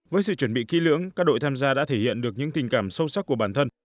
với sự chuẩn bị kỹ lưỡng các đội tham gia đã thể hiện được những tình cảm sâu sắc của bản thân